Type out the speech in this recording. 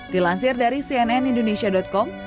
dilansir dari cnn indonesia com